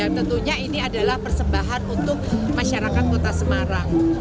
dan tentunya ini adalah persembahan untuk masyarakat kota semarang